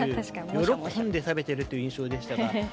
喜んで食べているという印象でしたが。